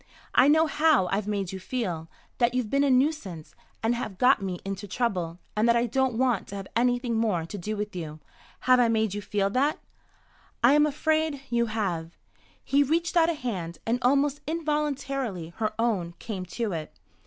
I know how I've made you feel that you've been a nuisance, and have got me into trouble, and that I don't want to have anything more to do with you. Have I made you feel that?" "I am afraid you have." He reached out a hand, and almost involuntarily her own came to it.